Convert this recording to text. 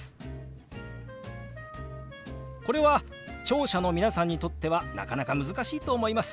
これは聴者の皆さんにとってはなかなか難しいと思います。